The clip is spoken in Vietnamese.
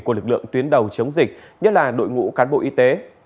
của lực lượng tuyến đầu chống dịch nhất là đội ngũ cán bộ y tế